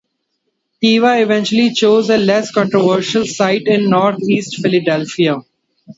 Teva eventually chose a less controversial site in Northeast Philadelphia.